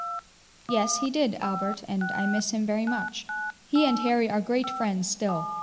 "Yes, he did, Albert, and I miss him very much. He and Harry are great friends still.